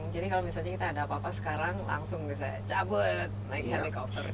jadi kalau misalnya kita ada apa apa sekarang langsung bisa cabut naik helikopter